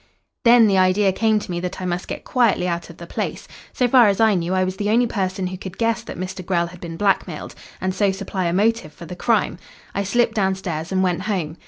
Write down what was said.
"Then the idea came to me that I must get quietly out of the place. So far as I knew I was the only person who could guess that Mr. Grell had been blackmailed and so supply a motive for the crime. I slipped downstairs and went home.